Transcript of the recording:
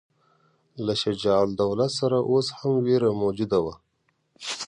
له شجاع الدوله سره اوس هم وېره موجوده وه.